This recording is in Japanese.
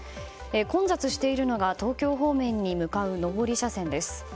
混雑しているのが東京方面に向かう上り車線です。